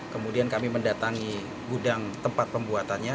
kemudian kami mendatangi gudang tempat pembuatannya